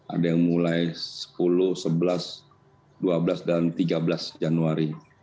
ada yang mulai sepuluh sebelas dua belas dan tiga belas januari